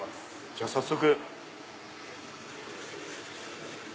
じゃあ早速。